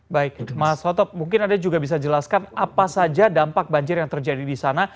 baik mas hotop mungkin anda juga bisa jelaskan apa saja dampak banjir yang terjadi di sana